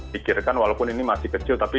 pikirkan walaupun ini masih kecil tapi